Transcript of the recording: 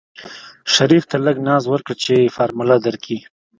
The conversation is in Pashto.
شريف ته لږ ناز ورکه چې فارموله درکي.